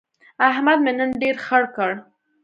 احمد مې نن ډېر خړ کړ.